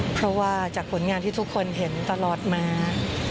เพราะว่าจากผลงานที่ทุกคนเห็นตลอดมา